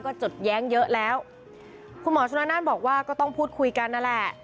ก็จดแย้งเยอะแล้วคุณหมอชนละนานบอกว่าก็ต้องพูดคุยกันนั่นแหละ